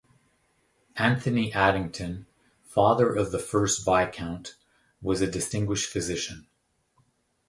Anthony Addington, father of the first Viscount, was a distinguished physician.